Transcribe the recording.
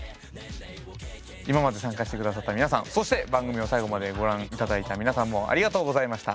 今まで参加してくださった皆さんそして番組を最後までご覧いただいた皆さんもありがとうございました。